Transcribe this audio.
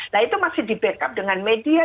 nah itu masih di backup dengan media